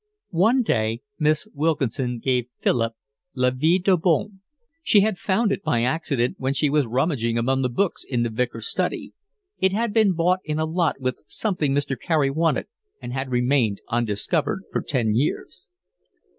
One day Miss Wilkinson gave Philip La Vie de Boheme. She had found it by accident when she was rummaging among the books in the Vicar's study. It had been bought in a lot with something Mr. Carey wanted and had remained undiscovered for ten years.